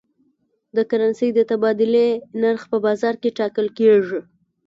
د کرنسۍ د تبادلې نرخ په بازار کې ټاکل کېږي.